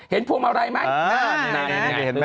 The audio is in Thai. เห็นพวงมาวไรไหม